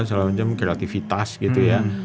selalu menjemput kreativitas gitu ya